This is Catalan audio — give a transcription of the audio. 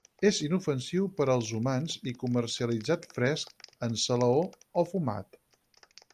És inofensiu per als humans i comercialitzat fresc, en salaó o fumat.